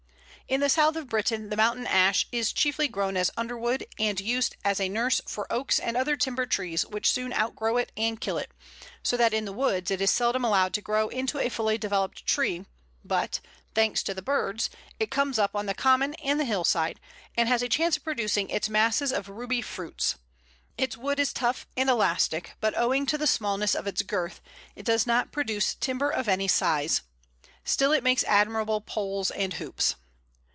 ] In the south of Britain the Mountain Ash is chiefly grown as underwood and used as a nurse for oaks and other timber trees, which soon outgrow it and kill it; so that in the woods it is seldom allowed to grow into a fully developed tree, but, thanks to the birds, it comes up on the common and the hillside, and has a chance of producing its masses of ruby fruit. Its wood is tough and elastic, but, owing to the smallness of its girth, it does not produce timber of any size. Still, it makes admirable poles and hoops.